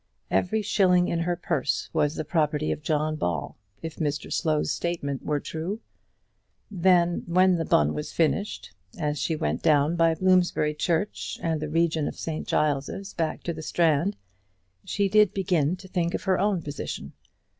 Every shilling in her purse was the property of John Ball, if Mr Slow's statement were true. Then, when the bun was finished, as she went down by Bloomsbury church and the region of St Giles's back to the Strand, she did begin to think of her own position.